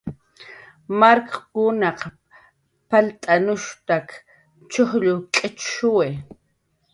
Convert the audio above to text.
Warmkunaq palt'anushtak chujll k'ichshuwi.